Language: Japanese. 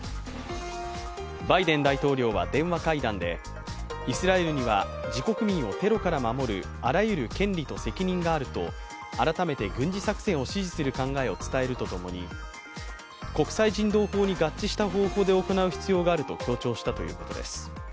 バイデン大統領は電話会談でイスラエルには自国民をテロから守るあらゆる権利と責任があると改めて軍事作戦を支持する考えを伝えるとともに国際人道法に合致した方法で行う必要があると強調したということです。